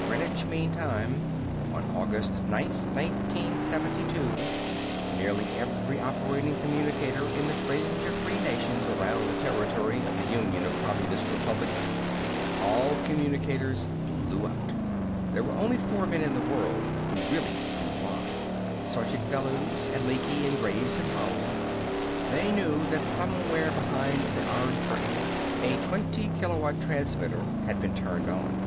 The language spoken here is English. Greenwich mean time, on August 9, 1972, nearly every operating communicator in the fringe of free nations around the territory of the Union of Communist Republics all communicators blew out. There were only four men in the world who really knew why Sergeant Bellews and Lecky and Graves and Howell. They knew that somewhere behind the Iron Curtain a twenty kilowatt transmitter had been turned on.